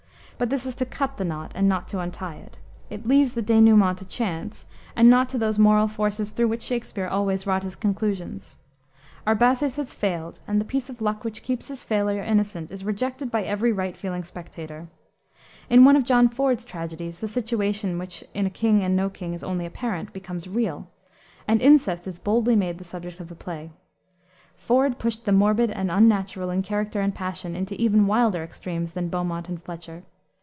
But this is to cut the knot and not to untie it. It leaves the denouement to chance, and not to those moral forces through which Shakspere always wrought his conclusions. Arbaces has failed, and the piece of luck which keeps his failure innocent is rejected by every right feeling spectator. In one of John Ford's tragedies, the situation which in A King and No King is only apparent, becomes real, and incest is boldly made the subject of the play. Ford pushed the morbid and unnatural in character and passion into even wilder extremes than Beaumont and Fletcher.